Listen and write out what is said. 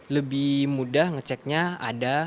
lebih mudah ngeceknya ada